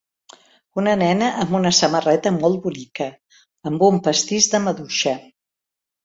Una nena amb una samarreta molt bonica amb un pastís de maduixa.